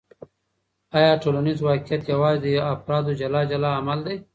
آیا ټولنیز واقعیت یوازې د افرادو جلا جلا عمل دی؟